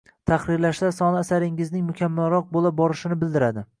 Tahrirlashlar soni asaringizning mukammalroq bo’la borishini bildiradi